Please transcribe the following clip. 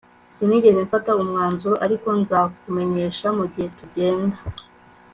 sinigeze mfata umwanzuro, ariko nzakumenyesha mugihe tugenda